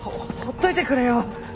ほっといてくれよ！